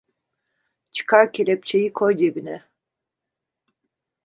Çıkar kelepçeyi, koy cebine!